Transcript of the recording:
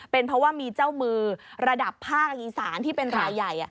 เป็นเพราะว่ามีเจ้ามือระดับภาคอีสานที่เป็นรายใหญ่